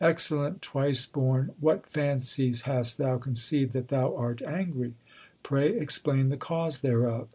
Excellent twice born, w r hat fancies hast thou con ceived that thou art angry ? Pray explain the cause thereof.